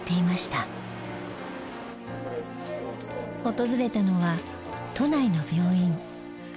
訪れたのは都内の病院。